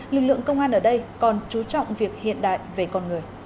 lực lượng công an ở đây còn chú trọng việc hiện đại về con người